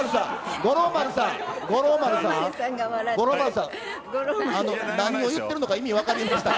五郎丸さん、何を言ってるのか、意味わかりましたか？